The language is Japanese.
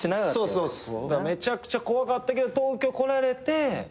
そうっすだからめちゃくちゃ怖かったけど東京来られて。